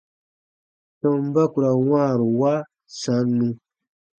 Tɔmba ku ra wãaru wa sannu.